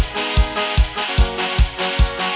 สิบหนึ่ง